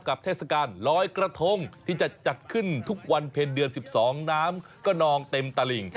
เทศกาลลอยกระทงที่จะจัดขึ้นทุกวันเพ็ญเดือน๑๒น้ำก็นองเต็มตลิ่ง